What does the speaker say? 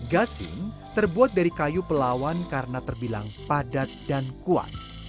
gasing terbuat dari kayu pelawan karena terbilang padat dan kuat